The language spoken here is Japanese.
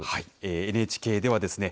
ＮＨＫではですね